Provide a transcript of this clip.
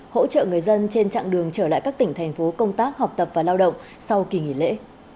hỗ trợ người dân trên chặng đường trở lại các tỉnh thành phố công tác học tập và lao động sau kỳ nghỉ lễ